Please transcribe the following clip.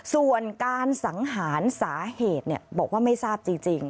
ส่วนการสังหารสาเหตุบอกว่าไม่ทราบจริง